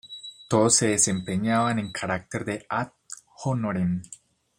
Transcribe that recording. Todos se desempeñaban en carácter de ad-honorem.